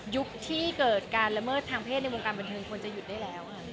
ที่เกิดการละเมิดทางเพศในวงการบันเทิงควรจะหยุดได้แล้วค่ะ